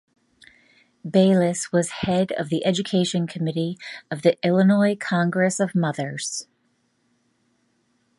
Bayliss was head of the Education Committee of the Illinois Congress of Mothers.